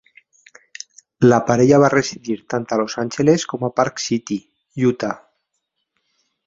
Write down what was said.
La parella va residir tant a Los Angeles com a Park City, Utah.